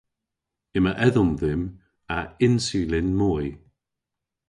Yma edhom dhymm a insulin moy.